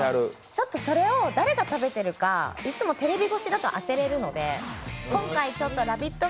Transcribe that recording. ちょっとそれを誰が食べてるかいっつもテレビ越しだと当てれるので今回ちょっと「ラヴィット！」